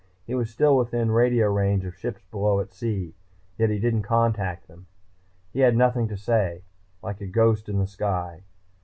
He was still within radio range of ships below at sea. Yet he didn't contact them. He had nothing to say, like a ghost in the sky.